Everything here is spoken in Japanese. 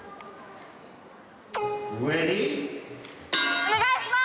お願いします！